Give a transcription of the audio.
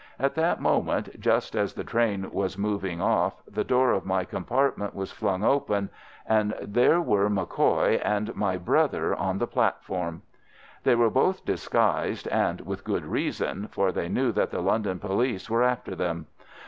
At that moment, just as the train was moving off, the door of my compartment was flung open, and there were MacCoy and my brother on the platform. "They were both disguised, and with good reason, for they knew that the London police were after them.